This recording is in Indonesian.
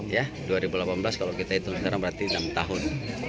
ya dua ribu delapan belas kalau kita hitung sekarang berarti enam tahun